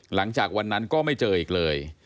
หลังจากนั้นก็ไม่เจออีกเลย